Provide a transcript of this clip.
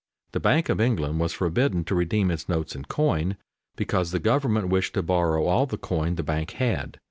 The Bank of England was forbidden to redeem its notes in coin because the government wished to borrow all the coin the bank had.